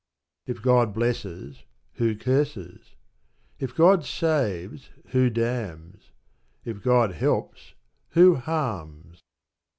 If God blesses, who curses? If God saves, who damns? If God helps, who harms?